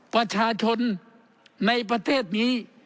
ประชาชนในประเทศนี้